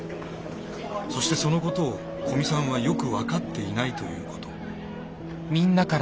そしてそのことを古見さんはよく分かっていないということ。